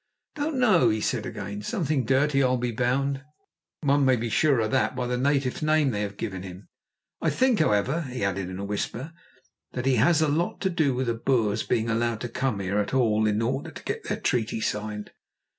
"Don't know," he said again. "Something dirty, I'll be bound. One may be sure of that by the native name they have given him. I think, however," he added in a whisper, "that he has had a lot to do with the Boers being allowed to come here at all in order to get their treaty signed.